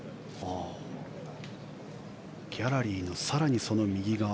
ギャラリーの更にその右側